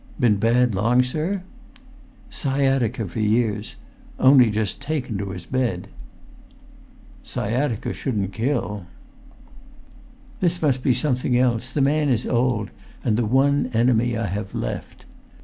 "Been bad long, sir?" "Sciatica for years; only just taken to his bed." "Sciatica shouldn't kill." [Pg 388]"This must be something else. The man is old—and the one enemy I have left!"